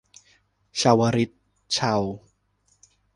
เชาวฤทธิ์เชา